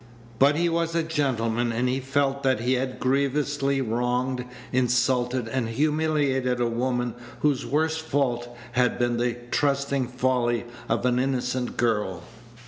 But he was a gentleman, and he felt that he had grievously wronged, insulted, and humiliated a woman whose worst fault had been the trusting folly of an innocent girl.